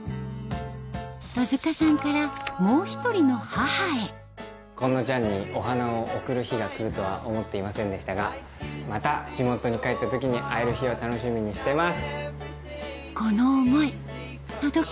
戸塚さんからもう一人の母へ今野ちゃんにお花をおくる日が来るとは思っていませんでしたがまた地元に帰った時に会える日を楽しみにしています。